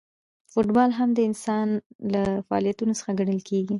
فوټبال هم د انسان له فعالیتونو څخه ګڼل کیږي.